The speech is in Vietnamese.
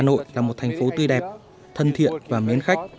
hà nội là một thành phố tươi đẹp thân thiện và mến khách